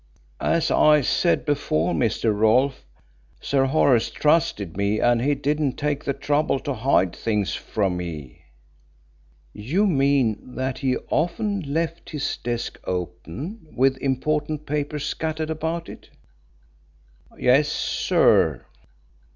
"As I said before, Mr. Rolfe, Sir Horace trusted me and he didn't take the trouble to hide things from me." "You mean that he often left his desk open with important papers scattered about it?" "Yes, sir."